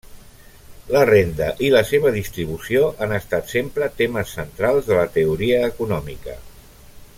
La renda i la seva distribució han estat sempre temes centrals de la teoria econòmica.